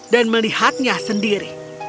dan melihatnya sendiri